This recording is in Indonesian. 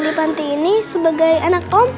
di panti ini sebagai anak tom